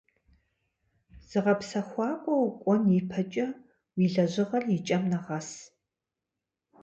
Зыгъэпсэхуакӏуэ укӏуэн и пэкӏэ, уи лэжьыгъэр и кӏэм нэгъэс.